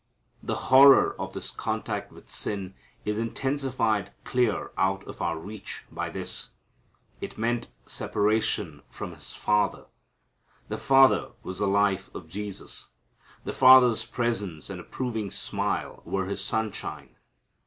The horror of this contact with sin is intensified clear out of our reach by this: it meant separation from His Father. The Father was the life of Jesus. The Father's presence and approving smile were His sunshine.